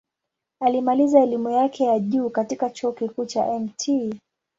Alimaliza elimu yake ya juu katika Chuo Kikuu cha Mt.